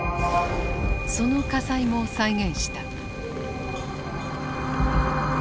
その火災も再現した。